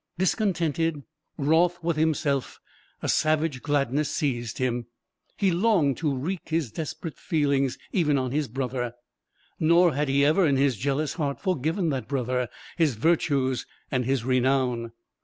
Discontented, wroth with himself, a savage gladness seised him; he longed to wreak his desperate feelings even on his brother. Nor had he ever in his jealous heart forgiven that brother his virtues and his renown.